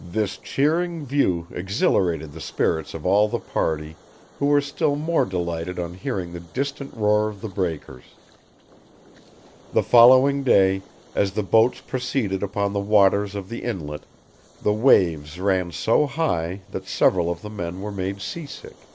This cheering view exhilarated the spirits of all the party, who were still more delighted on hearing the distant roar of the breakers." The following day, as the boats proceeded upon the waters of the inlet, the waves ran so high that several of the men were made sea sick.